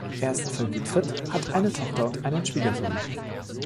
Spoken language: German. Er ist verwitwet, hat eine Tochter und einen Schwiegersohn.